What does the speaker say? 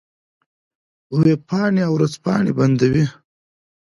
وېبپاڼې او ورځپاڼې بندوي.